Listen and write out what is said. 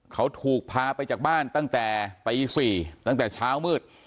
เขาถูกพาไปจากบ้านตั้งแต่ตี๔ตั้งแต่เช้ามืด